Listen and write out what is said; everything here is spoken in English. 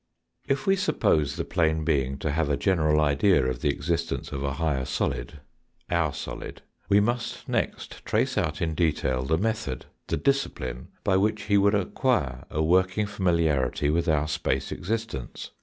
If we suppose the plane being to have a general idea of the existence of a higher solid our solid we must next trace out in detail the method, the discipline, by which he would acquire a working familiarity with our space existence.